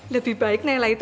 lebih baik nailah itu